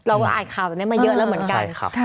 เราก็อ่านข่าวแบบนี้มาเยอะแล้วเหมือนกัน